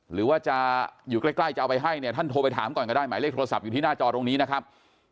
หรือว่าจะอยู่ใกล้จะเอาไปให้เนี่ยท่านโทรไปถามก่อนก็ได้หมายเลขโทรศัพท์อยู่ที่หน้าจอตรงนี้นะครับ